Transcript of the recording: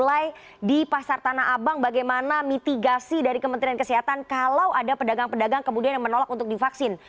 besok vaksinasi tahap kedua akan dimulai di pasar tanah abang bagaimana mitigasi dari kementerian kesehatan kalau ada pedagang pedagang kemudian yang menolak untuk divaksin